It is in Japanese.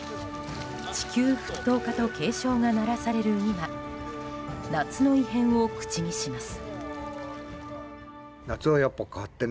地球沸騰化と警鐘が鳴らされる今夏の異変を口にします。